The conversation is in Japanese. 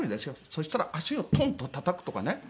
そしたら足をトンとたたくとかね